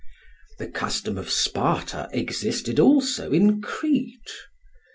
The custom of Sparta existed also in Crete.